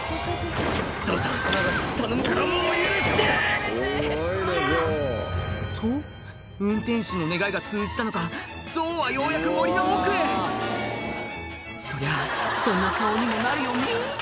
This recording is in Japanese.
「ゾウさん頼むからもう許して！」と運転手の願いが通じたのかゾウはようやく森の奥へそりゃそんな顔にもなるよね